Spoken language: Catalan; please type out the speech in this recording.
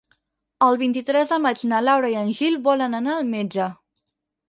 El vint-i-tres de maig na Laura i en Gil volen anar al metge.